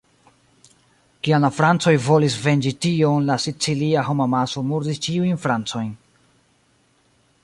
Kiam la francoj volis venĝi tion, la sicilia homamaso murdis ĉiujn francojn.